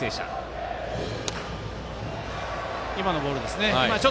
今のボールですね。